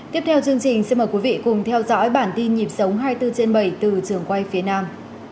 tiếp theo chương trình xin mời quý vị cùng theo dõi bản tin nhịp sống hai mươi bốn trên bảy từ trường quay phía nam